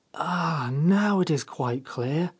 ' Ah, now it is quite clear